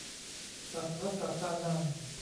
สัพพะสัตตานัง